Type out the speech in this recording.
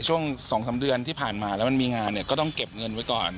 ช่วง๒๓เดือนที่ผ่านมาแล้วมันมีงานเนี่ยก็ต้องเก็บเงินไว้ก่อน